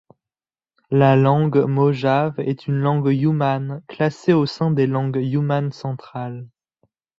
La langue mojave est une langue yumane, classée au sein des langues yumanes centrales.